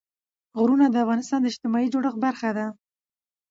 غرونه د افغانستان د اجتماعي جوړښت برخه ده.